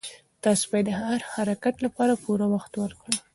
تاسي باید د هر حرکت لپاره پوره وخت ورکړئ.